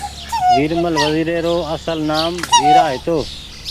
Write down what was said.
ويرمل وزير ري رو اصل نآم ويرا هيتو